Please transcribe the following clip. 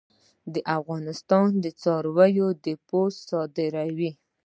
افغانستان د څارویو پوستکي صادروي